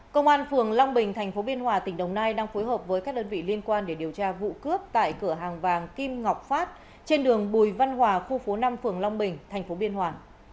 công an phường long bình tp biên hòa tỉnh đồng nai đang phối hợp với các đơn vị liên quan để điều tra vụ cướp tại cửa hàng vàng kim ngọc phát trên đường bùi văn hòa khu phố năm phường long bình tp biên hòa